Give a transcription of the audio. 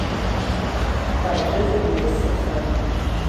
Terja-t ad d-yas s axxam.